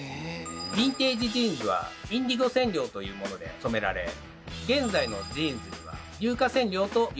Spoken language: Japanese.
ヴィンテージジーンズはインディゴ染料というもので染められ現在のジーンズには硫化染料というものが使われています。